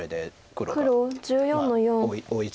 黒１４の五。